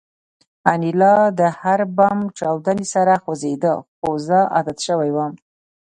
انیلا د هر بم چاودنې سره خوځېده خو زه عادت شوی وم